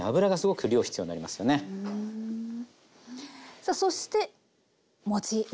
さあそして餅ね